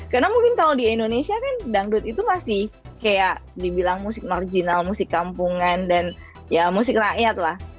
karena mungkin kalau di indonesia kan dangdut itu masih kayak dibilang musik marginal musik kampungan dan ya musik rakyat lah